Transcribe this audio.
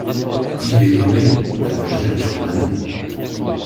Il est nommé d'après Jules Thurmann.